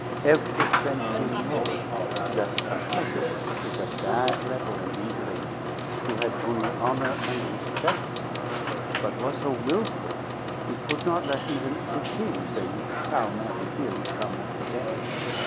Every Frenchman know' that her cousin is a bad rebel and ingrate, who had only honor and rispec' for her, but was so wilful he could not let even the king say, 'You shall marry here, you shall marry there.'